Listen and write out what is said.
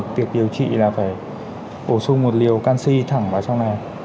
việc điều trị là phải bổ sung một liều canxi thẳng vào trong này